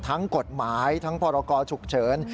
ทั้งกฎหมายทั้งพรกรฉุกเฉิน